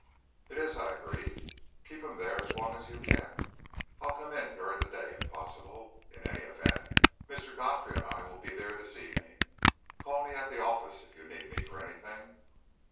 "It is," I agreed. "Keep him there as long as you can. I'll come in during the day, if possible; in any event, Mr. Godfrey and I will be there this evening. Call me at the office, if you need me for anything."